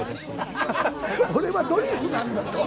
俺はドリフなんだと。